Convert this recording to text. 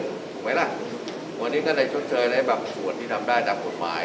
ถูกไหมล่ะวันนี้ก็ได้ชดเชยในบางส่วนที่ทำได้ตามกฎหมาย